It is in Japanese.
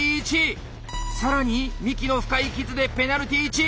更に幹の深い傷でペナルティ１！